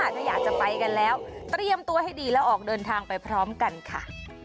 ถ้าอยากจะไปกันแล้วเตรียมตัวให้ดีแล้วออกเดินทางไปพร้อมกันค่ะ